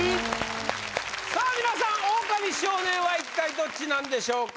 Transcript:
さあ皆さんオオカミ少年は一体どっちなんでしょうか？